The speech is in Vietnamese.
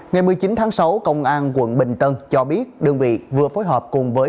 ngày một mươi chín tháng sáu công an quận bình tân cho biết đơn vị vừa phối hợp cùng với